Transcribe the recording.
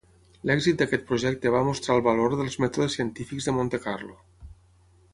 L'èxit d'aquest projecte va mostrar el valor dels mètodes científics de Monte Carlo.